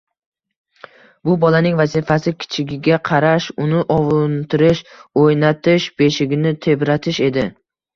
Bu bolaning vazifasi kichigiga qarash, uni ovuntirish, o'ynatish, beshigini tebratish edi.